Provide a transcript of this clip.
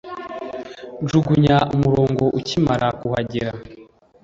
Njugunya umurongo ukimara kuhagera.